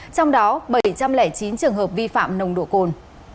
trong đó bảy trăm linh chín trường hợp vi phạm nồng độ cồn